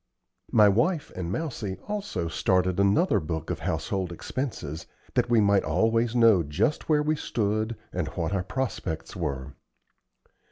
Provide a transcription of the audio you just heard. My wife and Mousie also started another book of household expenses, that we might always know just where we stood and what our prospects were.